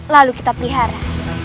lalu kita pelihara